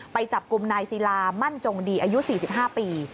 ไปจับกลุ่มนายศิลามั่นจงดีอายุ๔๕ปี